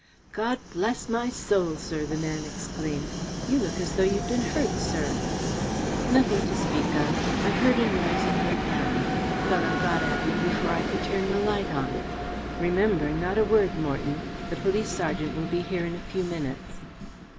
"God bless my soul, sir!" the man exclaimed. "You look as though you'd been hurt, sir." "Nothing to speak of. I heard a noise and went down. Fellow got at me before I could turn the light on. Remember, not a word, Morton. The police sergeant will be here in a few minutes."